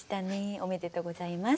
おめでとうございます。